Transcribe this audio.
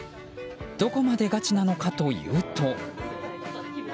どこまでガチなのかというと。